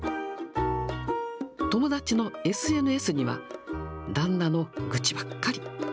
友達のＳＮＳには、旦那の愚痴ばっかり。